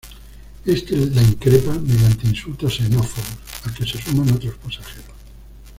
Éste la increpa, mediante insultos xenófobos, al que se suman otros pasajeros.